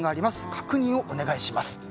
確認をお願いします。